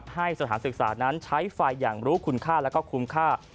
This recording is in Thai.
ให้สถานศึกษานั้นใช้ไฟอย่างรู้คุณค่าแล้วก็คุ้มค่า